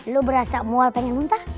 lo berasa mual pengen muntah